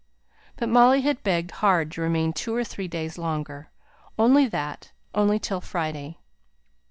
But Molly had begged hard to remain two or three days longer only that only till Friday.